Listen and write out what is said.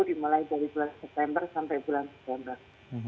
dimulai dari bulan september sampai bulan september